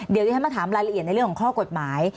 เดี๋ยวที่ฉันมาถามรายละเอียดในเรื่องของข้อกฎหมาย